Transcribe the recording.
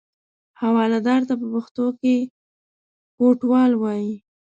حوالهدار ته په پښتو کې کوټوال وایي.